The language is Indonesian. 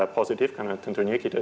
positif karena tentunya kita